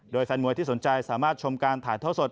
โดยแฟนมวยที่สนใจสามารถชมการถ่ายท่อสด